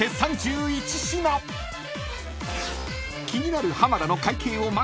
［気になる浜田の］